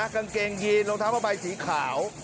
กางเกงยีนลงท้ามาไปสีขาว